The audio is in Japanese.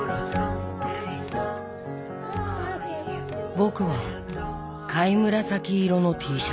僕は貝紫色のＴシャツ。